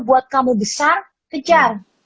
buat kamu besar kejar